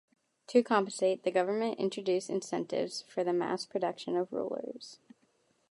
To compensate, the government introduced incentives for the mass-production of rulers.